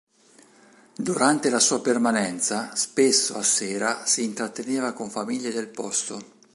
Durante la sua permanenza, spesso a sera si intratteneva con famiglie del posto.